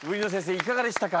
いかがでしたか？